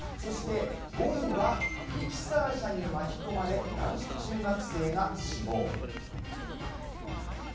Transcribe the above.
５位はミキサー車に巻き込まれ、男子中学生が死亡。